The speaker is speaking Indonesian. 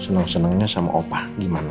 seneng senengnya sama opa gimana